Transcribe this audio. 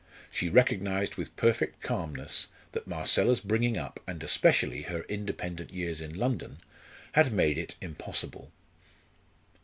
She recognised with perfect calmness that Marcella's bringing up, and especially her independent years in London, had made it impossible.